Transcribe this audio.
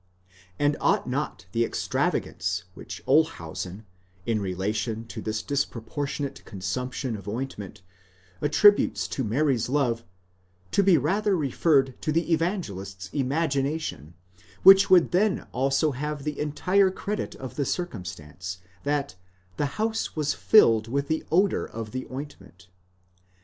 and ought not the extravagance which Olshausen, in relation to this disproportionate consumption of ointment, attributes to Mary's love, to be rather referred to the Evangelist's imagination, which would then also have the entire credit of the circumstance, that #he house was filled with the odour of the ointment?